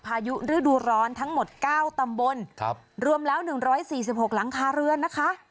พายุฤดูร้อนทั้งหมด๙ตำบลรวมแล้ว๑๔๖หลังคาเรือนนะคะ